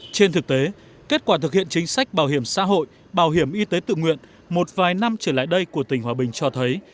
trên thực tế kết quả thực hiện chính sách bảo hiểm xã hội bảo hiểm y tế tự nguyện một vài năm trở lại đây của tỉnh hòa bình cho thấy